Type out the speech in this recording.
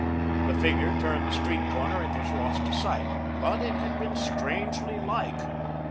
The figure turned the street corner and was lost to sight; but it had been strangely like.